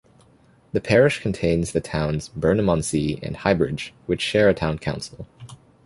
The parish contains the towns Burnham-on-Sea and Highbridge, which share a town council.